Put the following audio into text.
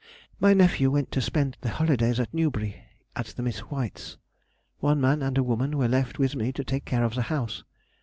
My nephew went to spend the holidays at Newbury, at the Miss Whites. One man and a woman were left with me to take care of the house.